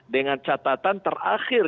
dengan catatan terakhir